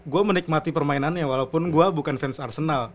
gue menikmati permainannya walaupun gue bukan fans arsenal